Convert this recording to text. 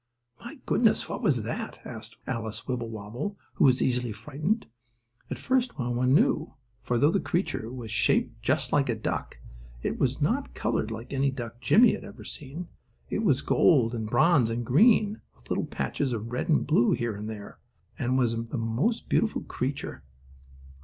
"My goodness, what is that?" asked Alice Wibblewobble, who was easily frightened. At first no one knew, for, though the creature was shaped just like a duck, it was not colored like any duck Jimmie had even seen. It was gold and bronze and green, with little patches of red and blue here and there, and was a most beautiful creature.